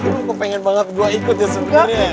kok pengen banget gue ikut ya sebenernya